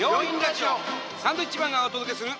サンドウィッチマンがお届けする。